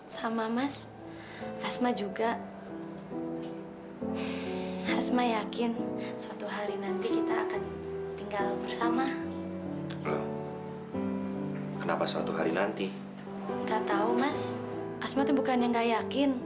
sampai jumpa di video selanjutnya